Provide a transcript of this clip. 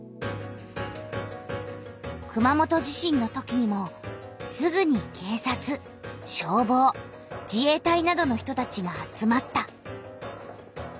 熊本地震のときにもすぐに警察消防自衛隊などの人たちが集まった。